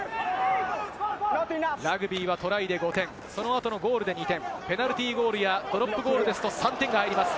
ラグビーはトライで５点、その後のゴールで２点、ペナルティーゴールやドロップゴールですと３点が入ります。